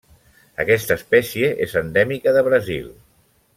Aquesta espècie és endèmica de Brasil.